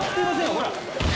ほら。